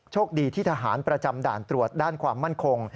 คดีที่ทหารประจำด่านตรวจด้านความมั่นคง